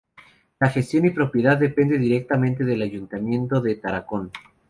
La gestión y propiedad depende directamente del Ayuntamiento de Tarancón.